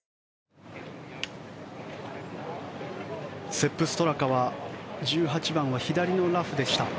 セップ・ストラカは１８番は左のラフでした。